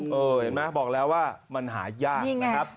เห็นไหมบอกแล้วว่ามันหายากนะครับ